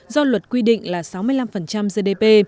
do luật quy định là sáu mươi năm gdp